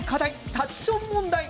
立ちション問題。